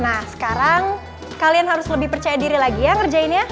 nah sekarang kalian harus lebih percaya diri lagi ya ngerjainnya